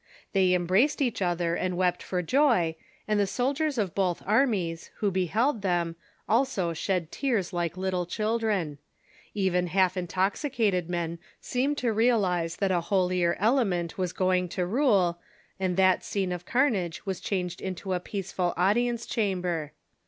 They embraced each other and wept for joy, and the soldiers of both armies, who beheld them, also shed tears like little children ; even half intoxicated men seemed to realize that a holier element was going to rule, and that scene of carnage was changed into a peaceful audience chamber.